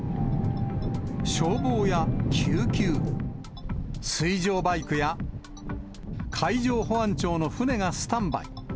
消防や救急、水上バイクや、海上保安庁の船がスタンバイ。